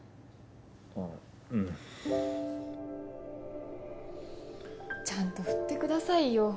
あぁうん。ちゃんと振ってくださいよ。